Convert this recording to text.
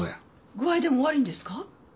具合でも悪いんですか？